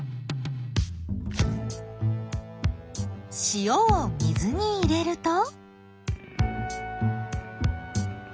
塩を水に入れると。